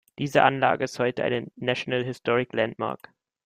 Diese Anlage ist heute eine National Historic Landmark.